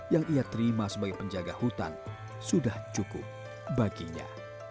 yang ia terima sebagai penjaga hutan sudah cukup baginya